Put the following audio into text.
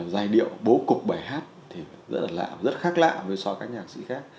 giai điệu bố cục bài hát thì rất là lạ rất khác lạ so với các nhạc sĩ khác